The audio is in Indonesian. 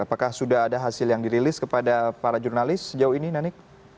apakah sudah ada hasil yang dirilis kepada para jurnalis sejauh ini nanik